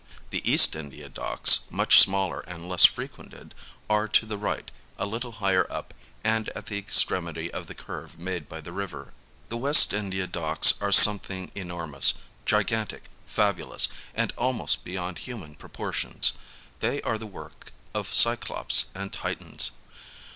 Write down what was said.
The East India Docks, much smaller and less frequented, are to the right a little higher up and at the extremity of the curve made by the river. The West India Docks are something enormous, gi> gantic, fabulous and almost beyond human proportions. They are the work of Cyclopes and Titans.